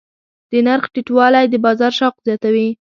د نرخ ټیټوالی د بازار شوق زیاتوي.